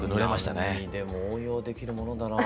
何にでも応用できるものだな。